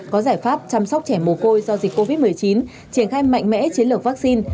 có giải pháp chăm sóc trẻ mồ côi do dịch covid một mươi chín triển khai mạnh mẽ chiến lược vaccine